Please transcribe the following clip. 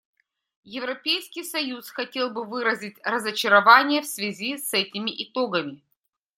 Европейский союз хотел бы выразить разочарование в связи с этими итогами.